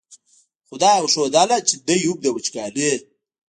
خو دا یې ښودله چې دی هم د وچکالۍ.